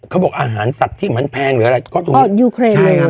เขาบอกอาหารสัตว์ที่เหมือนแพงหรืออะไรก็ถูกยูเครนเลยครับ